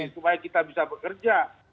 supaya kita bisa bekerja